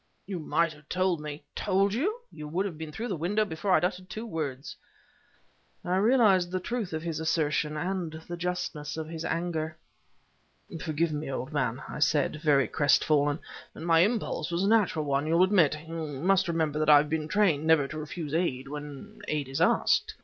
"You might have told me..." "Told you! You would have been through the window before I had uttered two words!" I realized the truth of his assertion, and the justness of his anger. "Forgive me, old man," I said, very crestfallen, "but my impulse was a natural one, you'll admit. You must remember that I have been trained never to refuse aid when aid is asked."